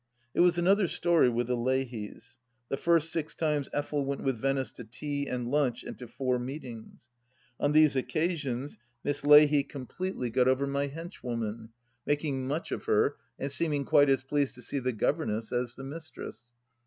It was another story with the Leahys. The first six times Effel went with Venice to tea, and lunch, and to four meetings. On these occasions Miss Leahy completely got 68 THE LAST DITCH over my henchwoman, making much of her, and seeming quite as pleased to see the governess as the misiress.